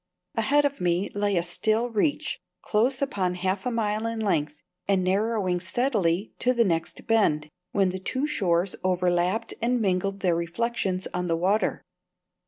Ahead of me lay a still reach, close upon half a mile in length, and narrowing steadily to the next bend, when the two shores overlapped and mingled their reflections on the water.